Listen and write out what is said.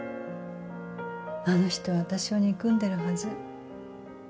あの人は私を憎んでるはず。